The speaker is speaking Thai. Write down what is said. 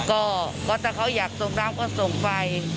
ก็ถ้าเขาอยากส่งน้ำก็ส่งไป